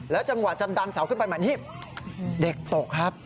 แล้วจังหวะจะดันเสาร์ขึ้นไปเหมือนที่เด็กตกครับ